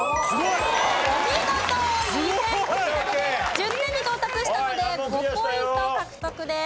１０点に到達したので５ポイント獲得です。